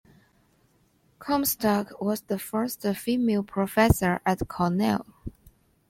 Comstock was the first female professor at Cornell.